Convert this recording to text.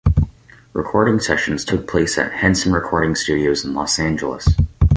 Recording sessions took place at Henson Recording Studios in Los Angeles.